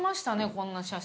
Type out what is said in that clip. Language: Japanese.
こんな写真。